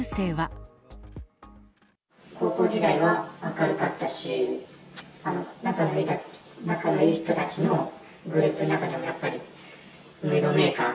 高校時代は明るかったし、仲のいい人たちのグループの中では、やっぱりムードメーカー。